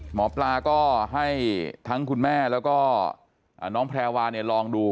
หมอปลาก็ให้ทั้งคุณแม่แล้วก็น้องแพรวาเนี่ยลองดู